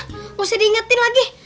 gak usah diingetin lagi